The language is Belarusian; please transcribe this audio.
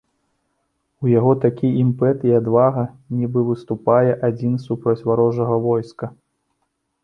У яго такі імпэт і адвага нібы выступае адзін супроць варожага войска.